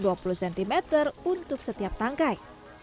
dan pilih padi yang lebih besar untuk setiap tanggai